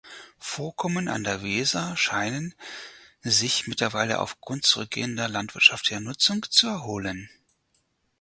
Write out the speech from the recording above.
Vorkommen an der Weser scheinen sich mittlerweile aufgrund zurückgehender landwirtschaftlicher Nutzung zu erholen.